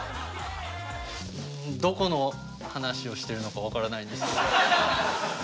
どこの話をしているのか分からないんですけど。